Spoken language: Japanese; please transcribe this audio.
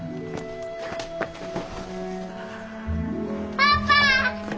パパ！